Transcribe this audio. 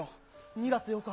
２月８日。